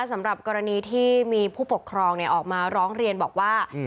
สำหรับกรณีที่มีผู้ปกครองออกมาร้องเรียนบอกว่า